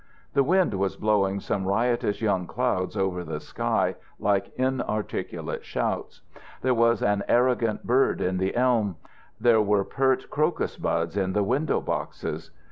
The wind was blowing some riotous young clouds over the sky like inarticulate shouts. There was an arrogant bird in the elm; there were pert crocus buds in the window boxes.